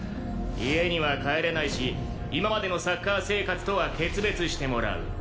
家には帰れないし今までのサッカー生活とは決別してもらう。